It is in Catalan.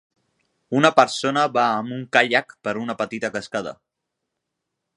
Una persona va amb un caiac per una petita cascada.